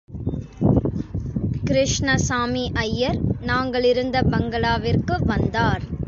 கிருஷ்ணசாமி ஐயர், நாங்களிருந்த பங்களாவிற்கு வந்தார்.